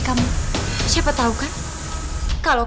karena di sini van beliau